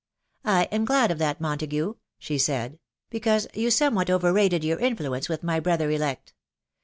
" 1 am glad of that, Montague/' she said, " because you somewhat over rated your influence with my brother elect.